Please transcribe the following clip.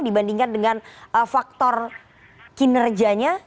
dibandingkan dengan faktor kinerjanya